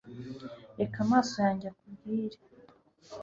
reka amaso yanjye akubwire